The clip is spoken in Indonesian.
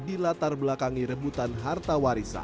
di latar belakangi rebutan harta warisan